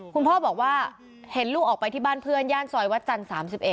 คุณพ่อบอกว่าเห็นลูกออกไปที่บ้านเพื่อนย่านซอยวัดจันทร์๓๑